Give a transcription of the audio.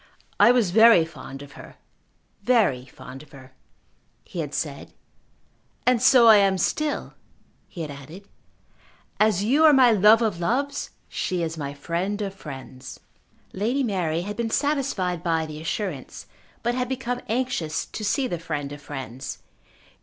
"I was very fond of her; very fond of her," he had said. "And so I am still," he had added. "As you are my love of loves, she is my friend of friends." Lady Mary had been satisfied by the assurance, but had become anxious to see the friend of friends.